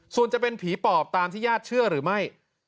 ส่วนจะเป็นผีปอบตามที่ญาติเชื่อหรือไม่